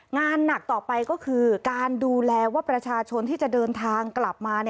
งานหนักต่อไปก็คือการดูแลว่าประชาชนที่จะเดินทางกลับมา